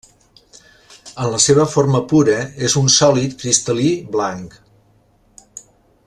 En la seva forma pura és un sòlid cristal·lí blanc.